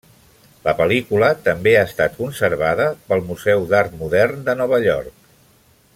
La pel·lícula també ha estat conservada pel Museu d'Art Modern de Nova York.